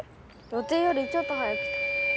予定よりちょっと早く来た。